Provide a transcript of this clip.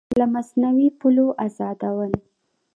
له مصنوعي پولو ازادول